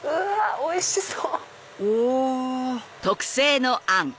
おいしそう！